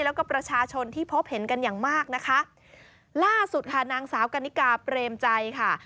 แล้วก็ประชาชนที่พบเห็นกันอย่างมากนะคะล่าสุดค่ะนางสาวกันนิกาเปรมใจค่ะ